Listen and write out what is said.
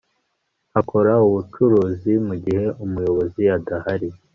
akora ubucuruzi mugihe umuyobozi adahari